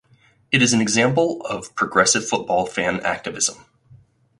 It is an example of progressive football fan activism.